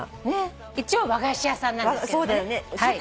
一応和菓子屋さんなんですけどね。